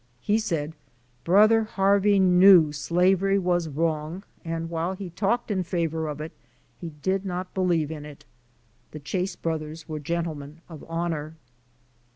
He said ''brother Harvey knew slavery was wrong and while he talked in favor of it he did not believe in it." The Chase brothers were gentlemen of honor.